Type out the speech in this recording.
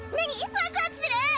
ワクワクする！！